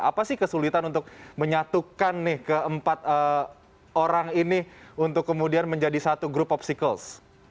apa sih kesulitan untuk menyatukan nih keempat orang ini untuk kemudian menjadi satu grup popsicles